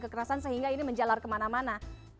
kekerasan sehingga ini menjalar kemana mana